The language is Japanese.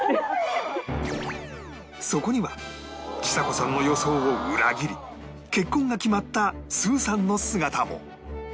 そこにはちさ子さんの予想を裏切り結婚が決まったすうさんの姿も